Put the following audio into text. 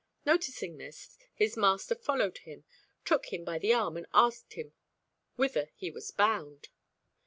Noticing this, his master followed him, took him by the arm and asked him whither he was bound.